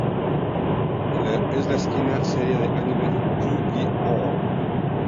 Es la quinta serie de anime Yu-Gi-Oh!.